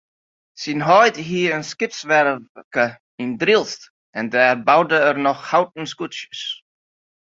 Syn heit hie in skipswerfke yn Drylts en dêr boude er noch houten skûtsjes.